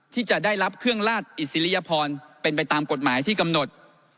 ที่จะได้รับเครื่องราชอิสริยพรเป็นไปตามกฎหมายที่กำหนด